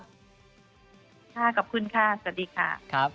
ขอบคุณค่ะสวัสดีค่ะ